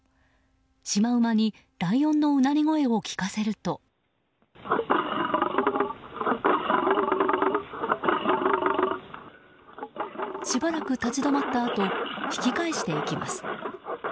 シマウマにライオンのうなり声を聞かせるとしばらく立ち止まったあと引き返していきます。